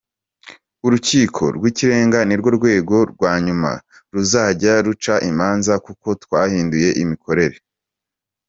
Urukiko rw’Ikirenga nirwo rwego rwa nyuma ruzajya ruca imanza kuko twahinduye imikorere.